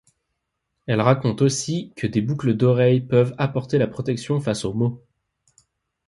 Elle raconte aussi que des boucles d'oreilles peuvent apporter la protection face aux maux.